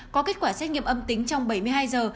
có kết quả xét nghiệm âm tính trong bảy mươi hai giờ